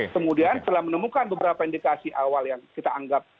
kemudian setelah menemukan beberapa indikasi awal yang kita anggap